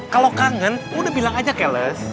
kalau kangen udah bilang aja cles